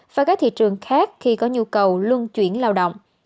và các thị trường khác khi có nhu cầu luân chuyển lao động